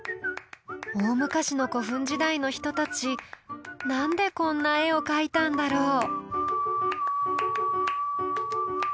大昔の古墳時代の人たち何でこんな絵を描いたんだろう？